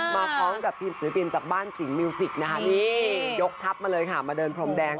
พร้อมกับทีมศิลปินจากบ้านสิงหมิวสิกนะคะนี่ยกทัพมาเลยค่ะมาเดินพรมแดง